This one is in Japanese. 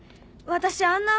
私あんな。